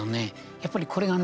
やっぱり、これがね